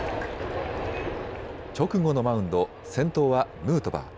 直後のマウンド先頭はヌートバー。